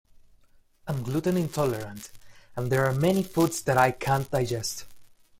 I'm gluten intolerant, and there are many foods that I can't digest.